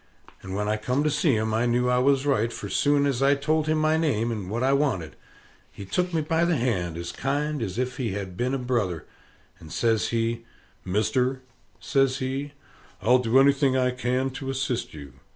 And when I come to see him, I knew I was right; for soon as I told him my name, and what I wanted, he took me by the hand as kind as if he had been a brother, and says he, "Mister," says he, "I'll do anything I can to assist you.